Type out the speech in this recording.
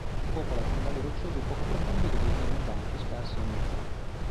Popola i fondali rocciosi poco profondi dove vive in banchi sparsi a mezz'acqua.